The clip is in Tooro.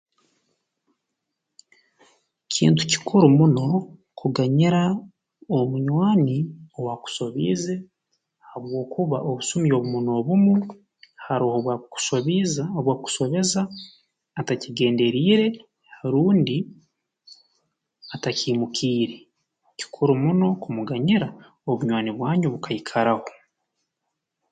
Kintu kikuru muno kuganyira omunywani owaakusobiize habwokuba obusumi obumu n'obumu haroho obwakukusobiiza obwakukusobeza atakigenderiire rundi atakiimukiire kikuru muno kumuganyira obunywani bwanyu bukaikaraho